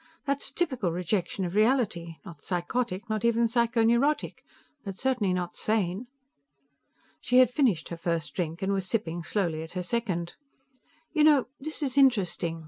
"That's typical rejection of reality. Not psychotic, not even psychoneurotic. But certainly not sane." She had finished her first drink and was sipping slowly at her second. "You know, this is interesting.